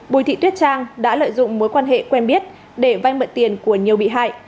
bùi thị tuyết trang đã lợi dụng mối quan hệ quen biết để vay mượn tiền của nhiều bị hại